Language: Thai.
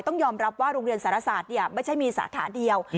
ต้องยอมรับว่าโรงเรียนสารศาสตร์ไม่ใช่มีสาขาเดียว